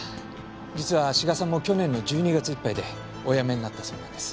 実は志賀さんも去年の１２月いっぱいでお辞めになったそうなんです。